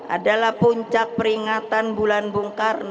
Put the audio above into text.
adalah puncak peringatan bulan bung karno